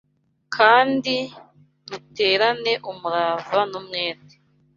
kandi ruterane umurava n umwete